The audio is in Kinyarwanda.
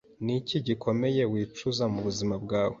Ni iki gikomeye wicuza mu buzima bwawe